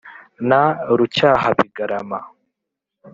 na rucyahabigarama,